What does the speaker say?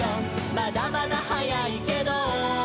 「まだまだ早いけど」